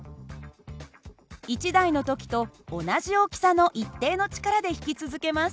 １台の時と同じ大きさの一定の力で引き続けます。